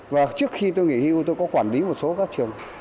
và trước khi tôi nghỉ hưu tôi có quản lý một số các trường